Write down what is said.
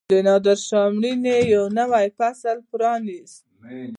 د نادرشاه مړینې یو نوی فصل پرانیست.